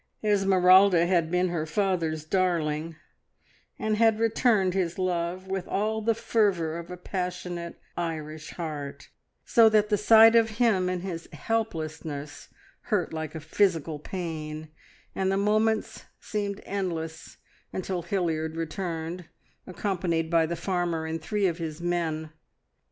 Esmeralda had been her father's darling, and had returned his love with all the fervour of a passionate Irish heart, so that the sight of him in his helplessness hurt like a physical pain, and the moments seemed endless until Hilliard returned accompanied by the farmer and three of his men.